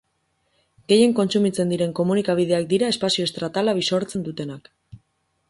Gehien kontsumitzen diren komunikabideak dira espazio estatala bisortzen dutenak.